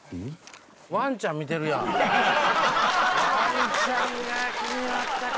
ワンちゃんが気になったか。